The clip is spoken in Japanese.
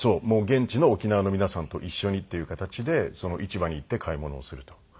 現地の沖縄の皆さんと一緒にっていう形で市場に行って買い物をすると。